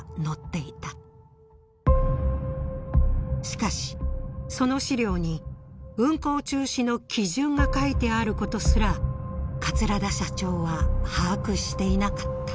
しかしその資料に運航中止の基準が書いてあることすら桂田社長は把握していなかった。